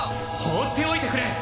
ほうっておいてくれ！